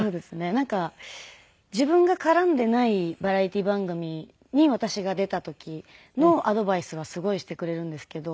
なんか自分が絡んでいないバラエティー番組に私が出た時のアドバイスはすごいしてくれるんですけど。